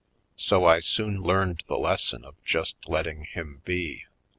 So I soon learned the lesson of just letting him be.